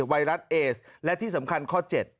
ไวรัสเอสและที่สำคัญข้อ๗